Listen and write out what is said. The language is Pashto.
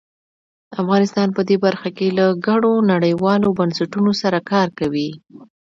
افغانستان په دې برخه کې له ګڼو نړیوالو بنسټونو سره کار کوي.